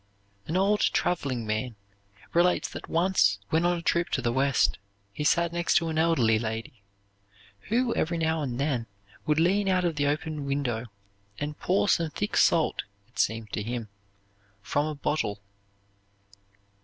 An old traveling man relates that once when on a trip to the West he sat next to an elderly lady who every now and then would lean out of the open window and pour some thick salt it seemed to him from a bottle.